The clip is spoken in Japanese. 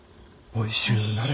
おいしゅうなれ。